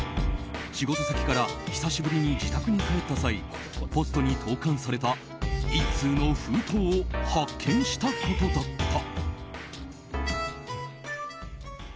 仕事先から久しぶりに自宅に帰った際ポストに投函された１通の封筒を発見したことだった。